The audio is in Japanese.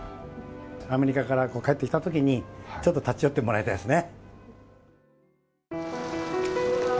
アメリカから帰ってきたときに、ちょっと立ち寄ってもらいたいですね。